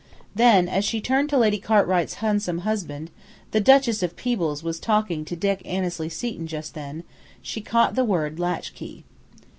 Then, as she turned to Lady Cartwright's handsome husband (the Duchess of Peebles was talking to Dick Annesley Seton just then), she caught the word "latchkey."